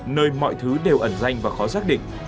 nơi mọi thứ đều ẩn danh và khó xác định